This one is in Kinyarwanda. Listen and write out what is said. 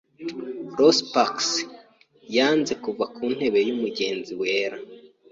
Rosa Parks yanze kuva ku ntebe y’umugenzi wera.